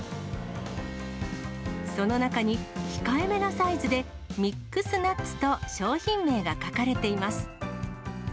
その中に控えめなサイズで、ミックスナッツと商品名が書かれています。